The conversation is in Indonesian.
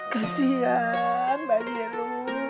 kasian bayi lu